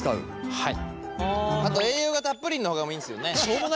はい。